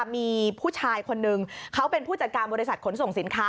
มีผู้ชายคนนึงเขาเป็นผู้จัดการบริษัทขนส่งสินค้า